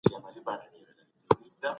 اګوست کُنت په کوم نظر و؟